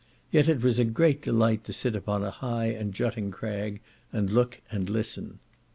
Yet it was a great delight to sit upon a high and jutting crag, and look and listen.